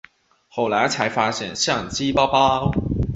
后来才发现相机包包